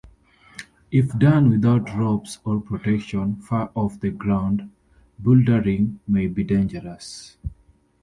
If done without ropes or protection far off the ground, buildering may be dangerous.